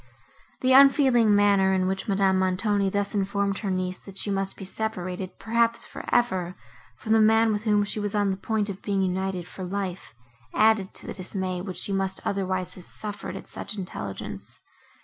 The unfeeling manner, in which Madame Montoni thus informed her niece, that she must be separated, perhaps for ever, from the man, with whom she was on the point of being united for life, added to the dismay, which she must otherwise have suffered at such intelligence.